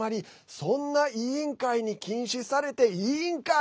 そんな委員会に禁止されていいんかい！